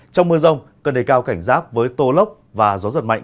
trong mưa rông cần đề cao cảnh giác với tô lốc và gió giật mạnh